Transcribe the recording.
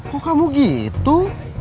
kok kamu gitu